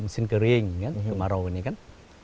mesin kering kan kemarau ini kan